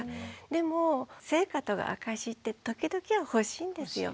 でも成果とか証しって時々は欲しいんですよ。